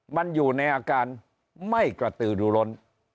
มันอยู่ในอาการไม่กระตือดูล้น